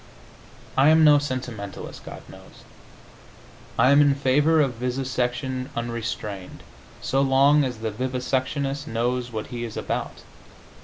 I am no sentimentalist, God knows. I am in favor of vivisection unrestrained, so long as the vivisectionist knows what he is about.